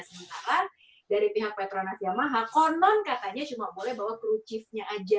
sementara dari pihak petronas yamaha konon katanya cuma boleh bawa kru chiefnya aja